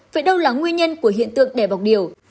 vậy đâu là nguyên nhân của hiện tượng đẻ bọc điều